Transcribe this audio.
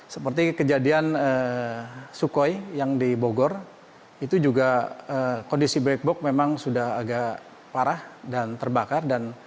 seperti kejadian sukhoi yang dibogor kondisi black box memang sudah agak parah dan terbakar